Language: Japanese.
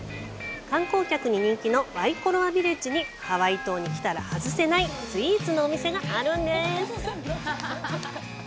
観光客に人気のワイコロアビレッジにハワイ島に来たら外せないスイーツのお店があるんです。